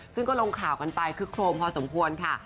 ซึ่งก็ลงข่าวกันไปคึกโครมพอสมควรค่ะ